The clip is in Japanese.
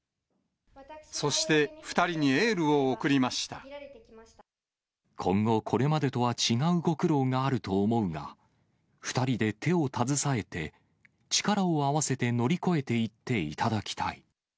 そして２人にエールを送りま今後、これまでとは違うご苦労があると思うが、２人で手を携えて、力を合わせて乗り越えていっていただきたい。